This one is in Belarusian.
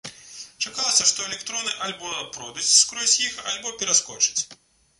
Чакалася, што электроны альбо пройдуць скрозь іх, альбо пераскочаць.